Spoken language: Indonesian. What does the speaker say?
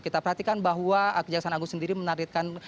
kita perhatikan bahwa kejaksaan agung sendiri menargetkan